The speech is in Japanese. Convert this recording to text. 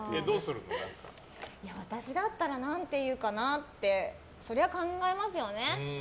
私だったら何て言うかなってそりゃ考えますよね。